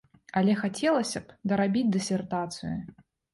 Але хацелася б дарабіць дысертацыю.